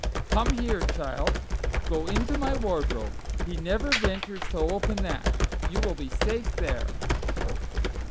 Come here, child; go into my wardrobe: he never ventures to open that; you will be safe there."